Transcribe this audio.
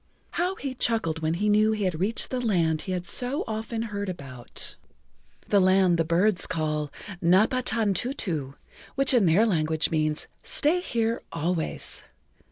How he chuckled when he knew he had reached the land he had so often heard about, the land the birds call Napatantutu, which in their language means Stay Here Always.